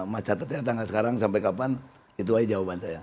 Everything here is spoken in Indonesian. masa ketika tanggal sekarang sampai kapan itu aja jawaban saya